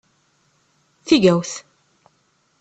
Tigawt!